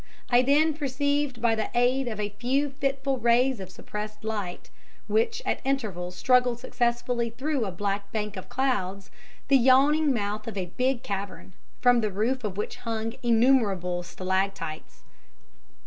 I then perceived by the aid of a few fitful rays of suppressed light, which at intervals struggled successfully through a black bank of clouds, the yawning mouth of a big cavern, from the roof of which hung innumerable stalactites.